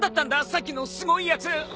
さっきのすごいやつ！